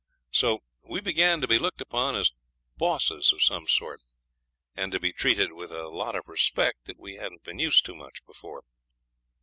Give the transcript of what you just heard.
So we began to be looked upon as bosses of some sort, and to be treated with a lot of respect that we hadn't been used to much before.